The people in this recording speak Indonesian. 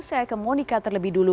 saya ke monika terlebih dulu